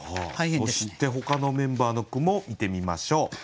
そしてほかのメンバーの句も見てみましょう。